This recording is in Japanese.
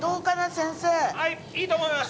先生いいと思います